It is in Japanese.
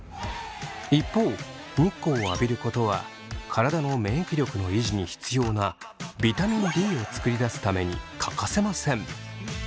一方日光を浴びることは体の免疫力の維持に必要なビタミンＤを作り出すために欠かせません。